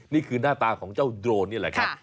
นี่คือหน้าตาของเจ้าโดรนนี่แหละครับ